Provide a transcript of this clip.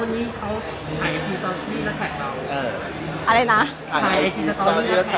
แต่พี่นี้เขาละครอู